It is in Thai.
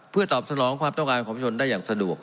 เพื่อตอบสนองความต้องการของประชนได้อย่างสะดวก